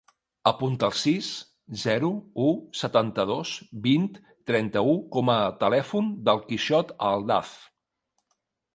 Apunta el sis, zero, u, setanta-dos, vint, trenta-u com a telèfon del Quixot Aldaz.